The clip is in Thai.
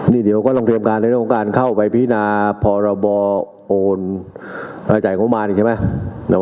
นี่เดี๋ยวก็ลองเตรียมการในโรงการเข้าไปพินาพรบโอนอาจ่ายงมานใช่ไหม